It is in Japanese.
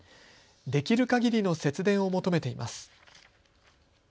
できるかぎりの節電を求めています。